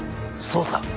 そうだ。